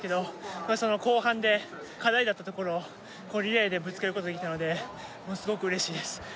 まあその後半で課題だったところをリレーでぶつけることができたのでものすごく嬉しいです